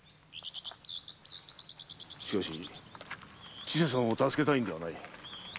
しかし千世さんを助けたいんではない。